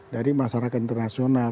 dari masyarakat internasional